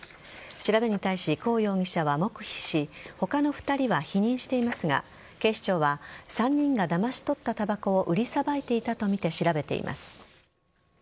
調べに対し、コウ容疑者は黙秘し他の２人は否認していますが警視庁は、３人がだまし取ったタバコを売りさばいていたとみて調べています。